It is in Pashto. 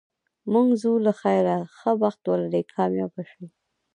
موږ ځو له خیره، ښه بخت ولرې، کامیاب شه.